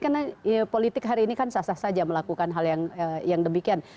karena politik hari ini kan sah sah saja melakukan hal yang demikian